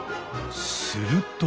すると。